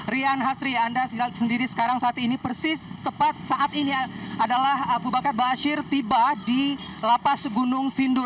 rian hasri anda lihat sendiri sekarang saat ini persis tepat saat ini adalah abu bakar ⁇ baasyir ⁇ tiba di lapas gunung sindur